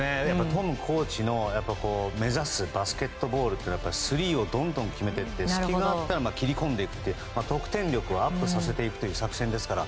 トムコーチの目指すバスケットボールってスリーをどんどん決めていって隙があったら切り込んでいくという得点力をアップさせていくという作戦ですから。